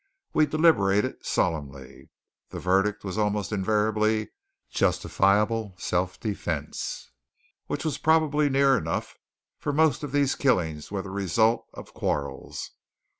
We deliberated solemnly. The verdict was almost invariably "justifiable self defence," which was probably near enough, for most of these killings were the result of quarrels.